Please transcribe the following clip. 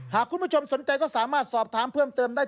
หากคุณผู้ชมสนใจก็สามารถสอบถามเพิ่มเติมได้